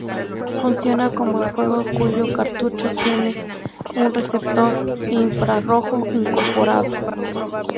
Funciona con el juego cuyo cartucho tiene un receptor infrarrojo incorporado.